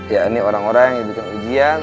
ya ini orang orang yang diberikan ujian